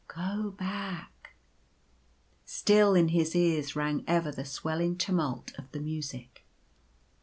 Go back !" Still in his ears rang ever the swelling tumult of the music.